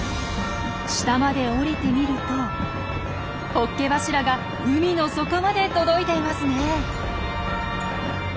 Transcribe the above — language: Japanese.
下まで降りてみるとホッケ柱が海の底まで届いていますね！